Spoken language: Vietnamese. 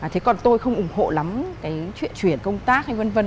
thế còn tôi không ủng hộ lắm cái chuyện chuyển công tác hay vân vân